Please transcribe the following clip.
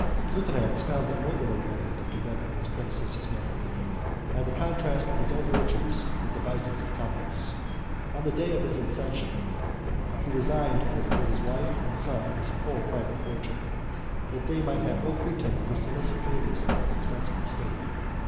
] Pertinax found a nobler way of condemning his predecessor's memory; by the contrast of his own virtues with the vices of Commodus. On the day of his accession, he resigned over to his wife and son his whole private fortune; that they might have no pretence to solicit favors at the expense of the state.